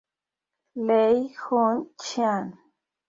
Lay Hoon Chan.